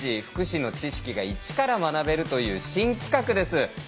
福祉の知識が一から学べるという新企画です。